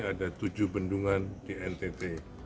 ada tujuh bendungan di ntt